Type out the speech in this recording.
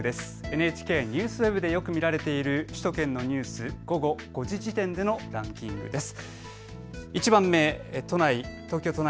ＮＨＫＮＥＷＳＷＥＢでよく見られている首都圏のニュース、午後５時時点でのランキングです。